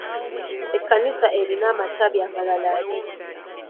Ekkanisa erina amatabi amalala abiri.